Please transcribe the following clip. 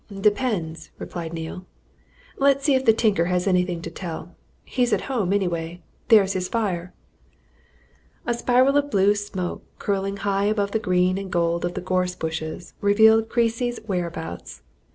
"Depends," replied Neale. "Let's see if the tinker has anything to tell. He's at home, anyway. There's his fire." A spiral of blue smoke, curling high above the green and gold of the gorse bushes, revealed Creasy's whereabouts.